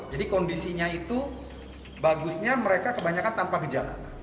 jadi kondisinya itu bagusnya mereka kebanyakan tanpa gejala